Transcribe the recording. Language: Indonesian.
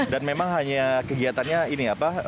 dan memang hanya kegiatannya ini apa